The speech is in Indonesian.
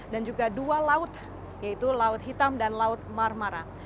dan juga dua laut yaitu laut hitam dan laut marmara